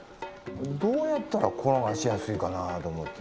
どうやったら転がしやすいかなぁと思て。